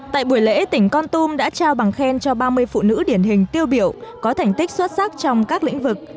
tại buổi lễ tỉnh con tum đã trao bằng khen cho ba mươi phụ nữ điển hình tiêu biểu có thành tích xuất sắc trong các lĩnh vực